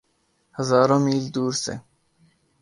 ہزاروں میل دور سے۔